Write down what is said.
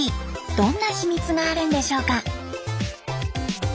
どんな秘密があるんでしょうか？